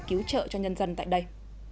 cứu trợ cho nhân dân tại đây